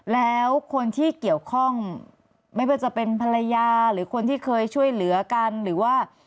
แล้วคนที่เกี่ยวข้องไม่ว่าจะเป็นภรรยาหรือคนที่เคยช่วยเหลือกันหรือว่า